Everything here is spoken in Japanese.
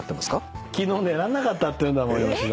昨日寝られなかったっていうんだもん吉田。